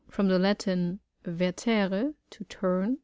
— From the Latin, vertere^ to turn.